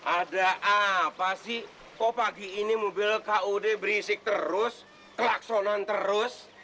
ada apa sih kok pagi ini mobil kud berisik terus kelaksonan terus